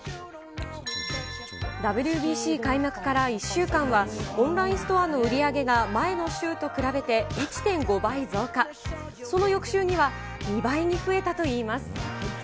ＷＢＣ開幕から１週間は、オンラインストアの売り上げが前の週と比べて１．５倍増加、その翌週には、２倍に増えたといいます。